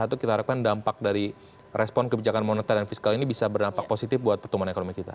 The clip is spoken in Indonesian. dan tahun dua ribu dua puluh satu kita harapkan dampak dari respon kebijakan monetar dan fiskal ini bisa berdampak positif buat pertumbuhan ekonomi kita